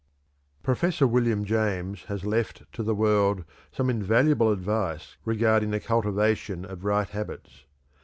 Professor William James has left to the world some invaluable advice regarding the cultivation of right habits.